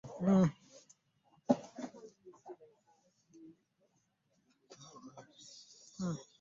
Okimanyi nti nafunye awokubeera.